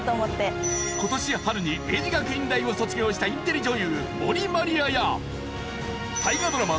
今年春に明治学院大を卒業したインテリ女優森マリアや大河ドラマ